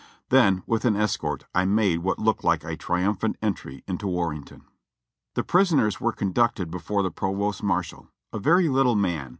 Then, with an escort, I made what looked like a triumphant entry into Warrenton. The prisoners were conducted before the provost marshal, a very little man.